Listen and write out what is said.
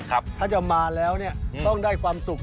ถ้าจะมาแล้วต้องได้ความสุข